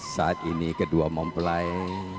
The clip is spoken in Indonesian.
saat ini kedua mempelai